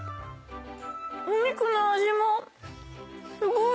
お肉の味もすごい。